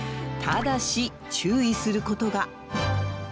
ただし注意することが。